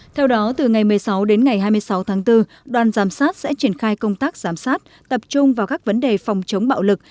theo đó từ ngày một mươi sáu đến ngày hai mươi sáu tháng bốn đoàn giám sát sẽ triển khai công tác giám sát tập trung vào các vấn đề phòng chống bạo lực